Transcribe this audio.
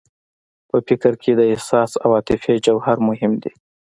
په فکر کې د احساس او عاطفې جوهر مهم دی.